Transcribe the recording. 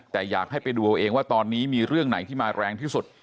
แต่อยากให้ไปดูเอาเองว่าตอนนี้มีเรื่องไหนที่มาแรงที่สุด